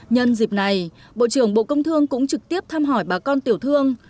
nhân dịp này bộ trưởng bộ công thương cũng trực tiếp thăm hỏi bà con tiểu thương